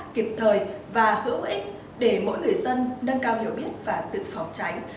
kịp thời và hữu ích để mỗi người dân nâng cao hiểu biết và tự phòng tránh